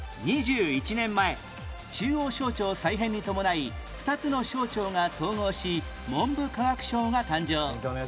２１年前中央省庁再編に伴い２つの省庁が統合し文部科学省が誕生